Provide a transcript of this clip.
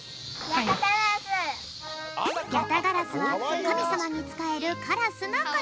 ヤタガラスはかみさまにつかえるカラスのこと。